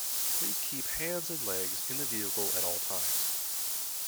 Please keep hands and legs in the vehicle at all times.